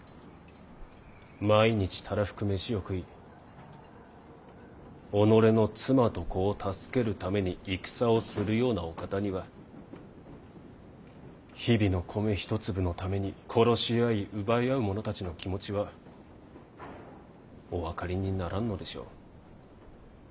毎日たらふく飯を食い己の妻と子を助けるために戦をするようなお方には日々の米一粒のために殺し合い奪い合う者たちの気持ちはお分かりにならんのでしょう。